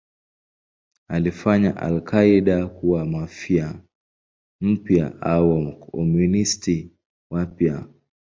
Ilifanya al-Qaeda kuwa Mafia mpya au Wakomunisti wapya.